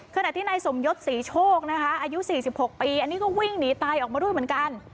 ขณะที่นายสมยศศรีโชคนะคะอายุ๔๖ปีอันนี้ก็วิ่งหนีตายออกมาด้วยเหมือนกัน